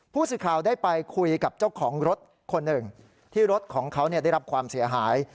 ผู้สื่อข่าวได้ไปคุยกับเจ้าของรถคนหนึ่งที่รถของเขาได้รับความเสียหาย